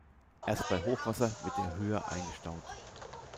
Erst bei Hochwasser wird er höher eingestaut.